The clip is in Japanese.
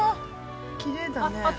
きれいだね。